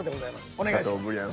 お願いします。